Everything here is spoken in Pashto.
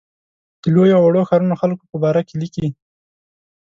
د لویو او وړو ښارونو خلکو په باره کې لیکي.